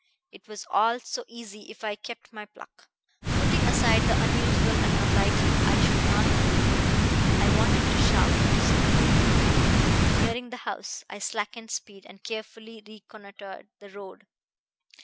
It was all so easy if I kept my pluck. Putting aside the unusual and unlikely, I should not fail. I wanted to shout, to scream! Nearing the house I slackened speed, and carefully reconnoitered the road.